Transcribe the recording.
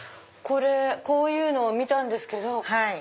こういうのを見たんですけど。